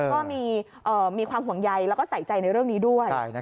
ก็มีความห่วงใยแล้วก็ใส่ใจในเรื่องนี้ด้วย